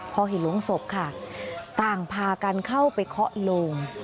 พอเห็นโรงศพค่ะต่างพากันเข้าไปเคาะโลง